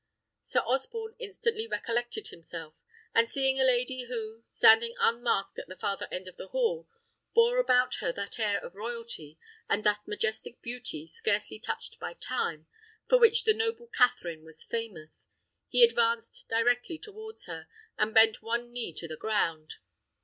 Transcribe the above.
Sir Osborne instantly recollected himself, and seeing a lady, who, standing unmasked at the farther end of the hall, bore about her that air of royalty, and that majestic beauty, scarcely touched by time, for which the noble Catherine was famous, he advanced directly towards her, and bent one knee to the ground.